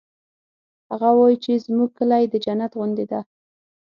هغه وایي چې زموږ کلی د جنت غوندی ده